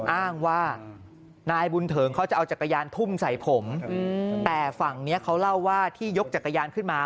อ้างว่านายบุญเถิงเขาจะเอาจักรยานทุ่มใส่ผมแต่ฝั่งนี้เขาเล่าว่าที่ยกจักรยานขึ้นมา